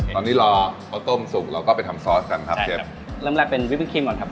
ตอนนี้รอข้าวต้มสุกเราก็ไปทำซอสกันครับเชฟเริ่มแรกเป็นวิปินครีมก่อนครับ